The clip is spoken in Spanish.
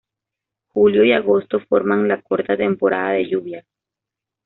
Julio y agosto forman la corta temporada de lluvias.